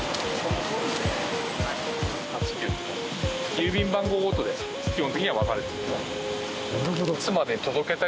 郵便番号ごとで基本的には分かれている。